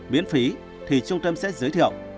miễn phí thì trung tâm sẽ giới thiệu